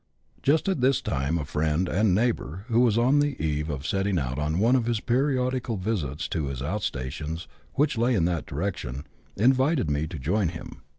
Just at this time a friend and neighbour, who was on the eve of setting out on one of his periodical visits to his out stations which lay in that direction, invited me to join him.